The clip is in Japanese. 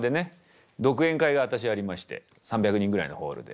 独演会が私ありまして３００人ぐらいのホールで。